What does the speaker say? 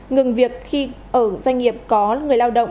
ngừng việc khi ở doanh nghiệp có người lao động